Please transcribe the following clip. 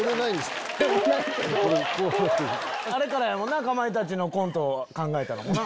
あれからやもんなかまいたちのコント考えたのもな。